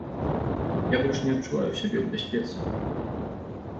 Я больш не адчуваю сябе ў бяспецы.